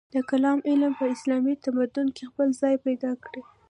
د کلام علم په اسلامي تمدن کې خپل ځای پیدا کړ.